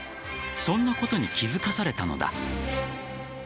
そんなことに気付かされたのだ。